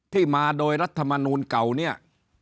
มาโดยรัฐมนูลเก่าเนี่ย